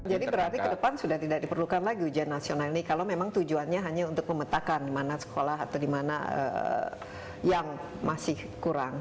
jadi berarti ke depan sudah tidak diperlukan lagi ujian nasional ini kalau memang tujuannya hanya untuk memetakan di mana sekolah atau di mana yang masih kurang